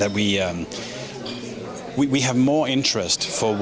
kami berpikir bahwa kami hanya bekerja dengan partner yang diperoleh